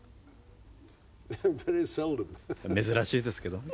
珍しいですけどね。